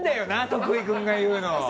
徳井君が言うの。